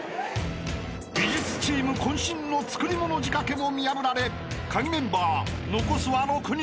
［美術チーム渾身の作り物仕掛けも見破られカギメンバー残すは６人］